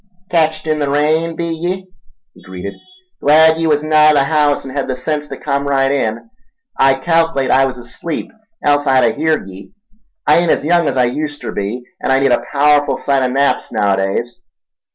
"Ketched in the rain, be ye?" he greeted. "Glad ye was nigh the haouse en' hed the sense ta come right in. I calc'late I was asleep, else I'd a heerd ye—I ain't as young as I uster be, an' I need a paowerful sight o' naps naowadays.